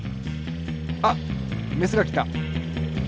あっメスがきた！